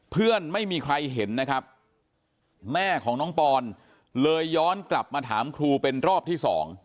เพื่อนไม่มีใครเห็นนะครับแม่ของน้องปอนเลยย้อนกลับมาถามครูเป็นรอบที่๒